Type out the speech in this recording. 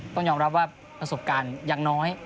ต้องยอมรับว่าประสบการณ์ยังน้อย